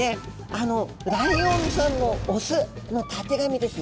あのライオンさんの雄のたてがみですね。